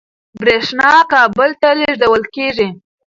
برېښنا کابل ته لېږدول کېږي.